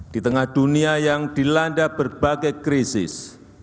di tengah dunia yang dilanda berbagai krisis